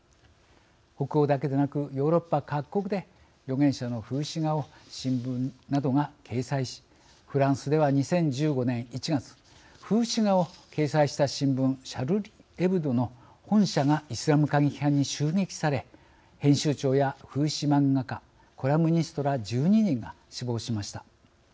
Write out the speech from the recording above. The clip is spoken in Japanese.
北欧だけでなくヨーロッパ各国で預言者の風刺画を新聞などが掲載しフランスでは、２０１５年１月風刺画を掲載した新聞「シャルリ・エブド」の本社がイスラム過激派に襲撃され編集長や風刺漫画家コラムニストら１２人が死亡しました。